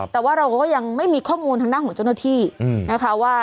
แต่ว่าเราก็ยังไม่มีข้อมูลทางด้านของเจ้าหน้าที่นะคะว่า